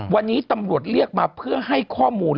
วันนี้ตำรวจเรียกมาเพื่อให้ข้อมูล